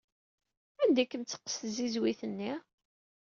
Anda i kem-teqqes tzizwit-nni?